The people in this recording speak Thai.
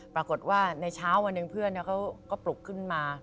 ปรากฏว่าในเช้าวันหนึ่งเพื่อนเขาก็ปลุกขึ้นมา